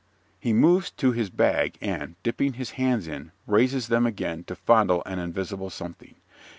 (_He moves to his bag and, dipping his hands in, raises them again to fondle an invisible something.